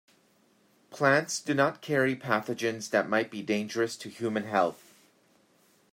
Plants do not carry pathogens that might be dangerous to human health.